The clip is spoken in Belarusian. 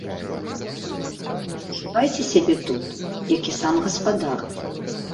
Адчувайце сябе тут, як і сам гаспадар.